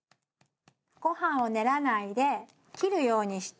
ごはんをねらないで切るようにして混ぜて下さい。